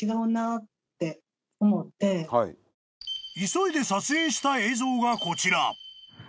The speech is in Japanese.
［急いで撮影した映像がこちら］